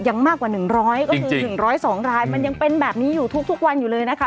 มากกว่า๑๐๐ก็คือ๑๐๒รายมันยังเป็นแบบนี้อยู่ทุกวันอยู่เลยนะคะ